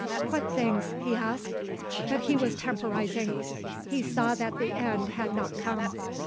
"What things?" he asked. But he was temporizing. He saw that the end had not come.